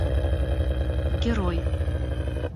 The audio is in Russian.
герой